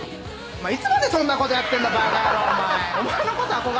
いつまでそんなことやってんだバカヤローお前。